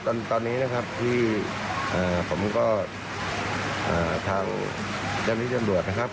ตอนนี้นะครับที่ผมก็ทางเจ้าหน้าที่จำรวจนะครับ